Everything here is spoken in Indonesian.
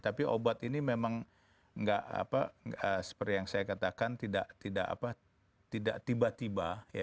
tapi obat ini memang seperti yang saya katakan tidak tiba tiba